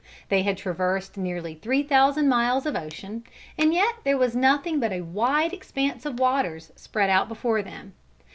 They had traversed nearly three thousand miles of ocean, and yet there was nothing but a wide expanse of waters spread out before them.